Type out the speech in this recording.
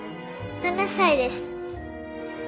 ７歳です。